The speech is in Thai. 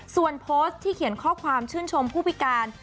ส่วนโพสต์ที่เขียนข้อความชื่นชมผู้พิการ